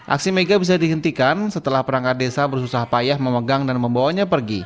aksi mega bisa dihentikan setelah perangkat desa bersusah payah memegang dan membawanya pergi